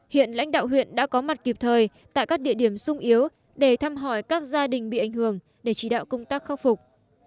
hiện lãnh đạo huyện đã có mặt kịp thời tại các địa điểm sung yếu để thăm hỏi các gia đình bị ảnh hưởng để chỉ đạo công tác khắc phục